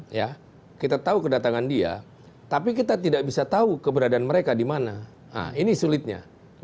hai ya kita tahu kedatangan dia tapi kita tidak bisa tahu keberadaan mereka dimana nah ini sulitnya